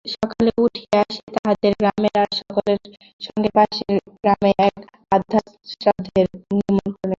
সকালে উঠিয়া সে তাহদের গ্রামের আর সকলের সঙ্গে পাশের গ্রামে এক আদ্যশ্রাদ্ধের নিমন্ত্রণে গেল।